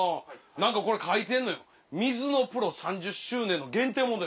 何かこれ書いてんのよミズノプロ３０周年の限定モデル。